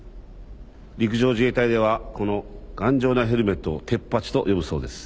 陸上自衛隊ではこの頑丈なヘルメットをテッパチと呼ぶそうです。